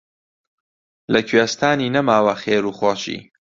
لە کوێستانی نەماوە خێر و خۆشی